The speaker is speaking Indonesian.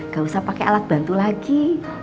ga usah pake alat bantu lagi